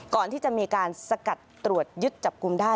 ก่อนที่จะมีการสกัดตรวจยึดจับกลุ่มได้